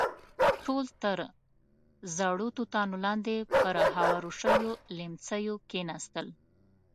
ټول تر زړو توتانو لاندې پر هوارو شويو ليمڅيو کېناستل.